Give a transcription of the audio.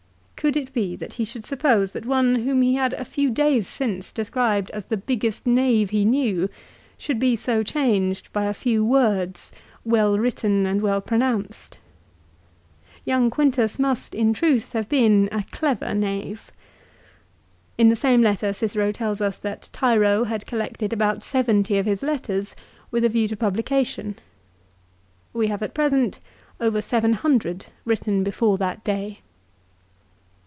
l Could it be that he should suppose that one whom he had a few days since described as the biggest knave he knew should be so changed by a few words, well written and well pronounced ? Young Quintus must in truth have been a clever knave. In the same letter Cicero tells us that Tiro had collected about seventy of his letters with a view to publication. We have at present over 700 written before that day.